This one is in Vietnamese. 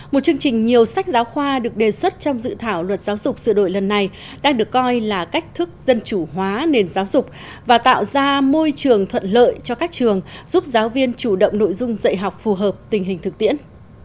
một chương trình nhiều sách giáo khoa được đề xuất trong dự thảo luật giáo dục sửa đổi lần này đang được coi là cách thức dân chủ hóa nền giáo dục và tạo ra môi trường thuận lợi cho các trường giúp giáo viên chủ động nội dung dạy học phù hợp tình hình thực tiễn